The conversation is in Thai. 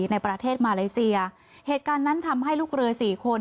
ในประเทศมาเลเซียเหตุการณ์นั้นทำให้ลูกเรือสี่คน